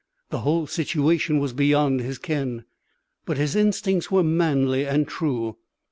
The whole situation was beyond his ken. But his instincts were manly and true.